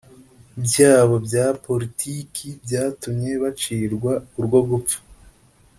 byabo bya politiki byatumye bacirwa urwo gupfa!